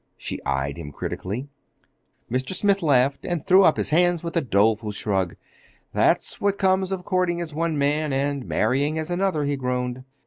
She eyed him critically. Mr. Smith laughed and threw up his hands with a doleful shrug. "That's what comes of courting as one man and marrying as another," he groaned.